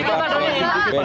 beri beri beri pak doni